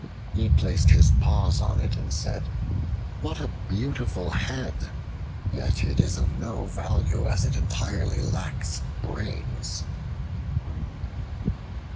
He placed his paws on it and said, "What a beautiful head! Yet it is of no value, as it entirely lacks brains."